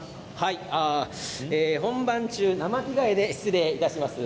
本番中生着替えで失礼いたします。